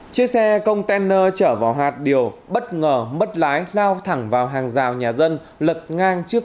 chiếc xe container chở vào hạt điều bất ngờ mất lái lao thẳng vào hàng rào nhà dân lật ngang trước